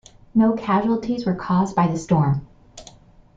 No casualties were caused by the storm.